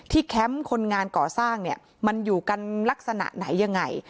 แคมป์คนงานก่อสร้างเนี่ยมันอยู่กันลักษณะไหนยังไง